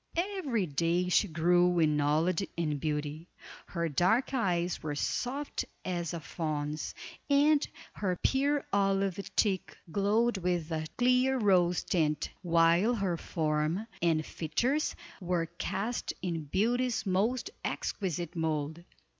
Every day she grew in knowledge and beauty. Her dark eyes were soft as a fawn's, and her pure olive cheek glowed with a clear rose tint, while her form and features were cast in beauty's most exquisite mold.